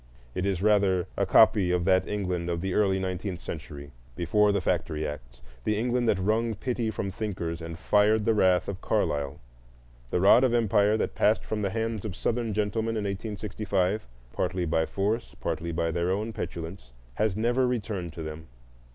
It is, rather, a copy of that England of the early nineteenth century, before the factory acts,—the England that wrung pity from thinkers and fired the wrath of Carlyle. The rod of empire that passed from the hands of Southern gentlemen in 1865, partly by force, partly by their own petulance, has never returned to them.